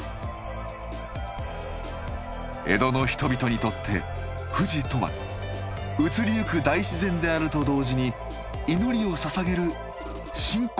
江戸の人々にとって富士とは移りゆく大自然であると同時に祈りをささげる信仰の山だったんですね。